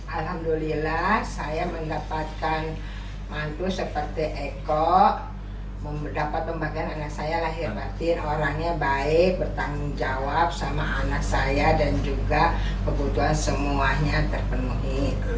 alhamdulillah saya mendapatkan mantu seperti eko mendapat pembagian anak saya lahir batin orangnya baik bertanggung jawab sama anak saya dan juga kebutuhan semuanya terpenuhi